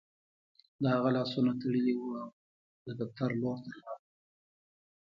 د هغه لاسونه تړلي وو او د دفتر لور ته لاړ